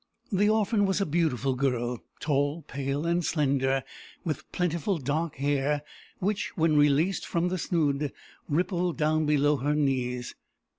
"The orphan was a beautiful girl, tall, pale, and slender, with plentiful dark hair, which, when released from the snood, rippled down below her knees.